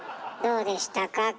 どうでしたか？